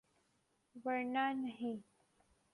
‘ ورنہ نہیں۔